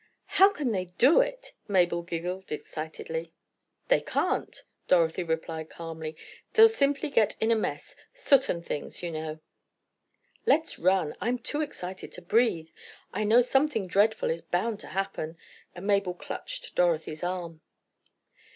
"How can they do it!" Mabel giggled excitedly. "They can't," Dorothy replied, calmly, "they'll simply get in a mess—soot and things, you know." "Let's run. I'm too excited to breathe! I know something dreadful is bound to happen!" And Mabel clutched Dorothy's arm.